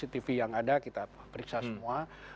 cctv yang ada kita periksa semua